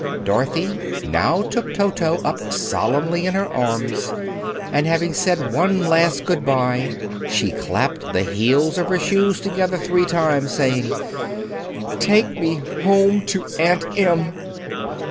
Dorothy now took Toto up solemnly in her arms, and having said one last good bye she clapped the heels of her shoes together three times, saying: "Take me home to Aunt Em!"